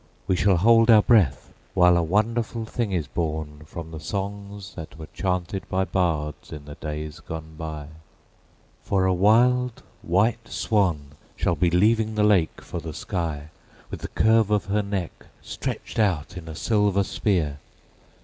We shall hold our breath while a wonderful thing is bornFrom the songs that were chanted by bards in the days gone by; For a wild white swan shall be leaving the lake for the sky, With the curve of her neck stretched out in a silver spear.